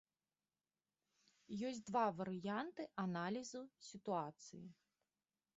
Ёсць два варыянты аналізу сітуацыі.